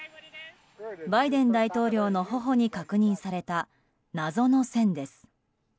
バイデン大統領の頬に確認された謎の線です。